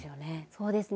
そうですね。